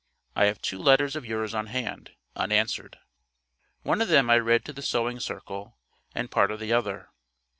I have two letters of yours on hand, unanswered. One of them I read to the Sewing Circle; and part of the other.